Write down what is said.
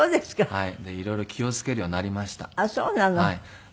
はい。